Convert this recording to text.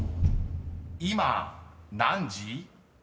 ［今何時？］